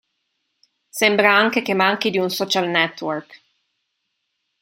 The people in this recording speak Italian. Sembra anche che manchi di un social network.